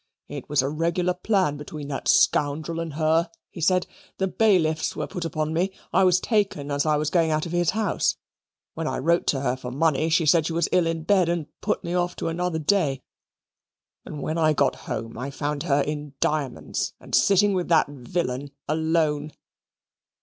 "It was a regular plan between that scoundrel and her," he said. "The bailiffs were put upon me; I was taken as I was going out of his house; when I wrote to her for money, she said she was ill in bed and put me off to another day. And when I got home I found her in diamonds and sitting with that villain alone."